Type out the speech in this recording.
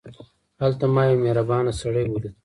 هلته ما یو مهربان سړی ولید.